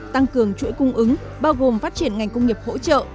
tăng cường chuỗi cung ứng bao gồm phát triển ngành công nghiệp hỗ trợ